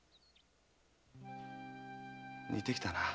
似てきたな。